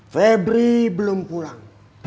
febri belum pulang